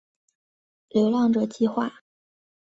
流浪者计画